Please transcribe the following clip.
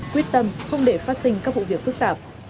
quyết tâm không để phát sinh các vụ việc phức tạp